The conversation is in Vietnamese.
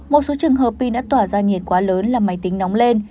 một số trường hợp pin đã tỏa ra nhiệt quá lớn là máy tính nóng lên